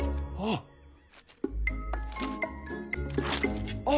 ああ！